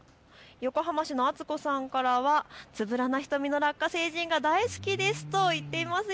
横浜市の厚子さんからはつぶらな瞳のラッカ星人が大好きですと言っていますよ。